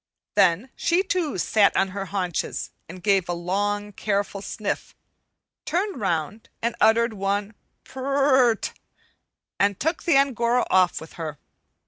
Then she too sat on her haunches and gave a long, careful sniff, turned round and uttered one "purr t t," and took the Angora off with her.